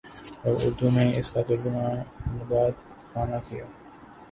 اور اردو میں اس کا ترجمہ نبات خانہ کیا